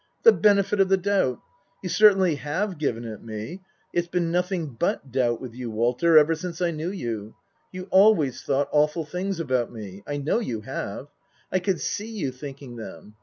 The benefit of the doubt ! You certainly have given it me. It's been nothing but doubt with you, Walter, ever since I knew you. You always thought awful things about me. I know you have. I could see you thinking them.